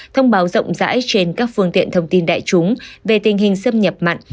thông báo rộng rãi trên các phương tiện thông tin đại chúng về tình hình xâm nhập mặn